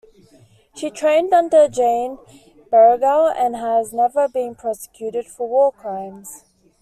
She trained under Jane Bernigau and has never been prosecuted for war crimes.